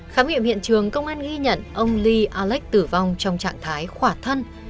khám nghiệm hiện trường công an ghi nhận ông lee alex tử vong trong trạng thái khỏa thân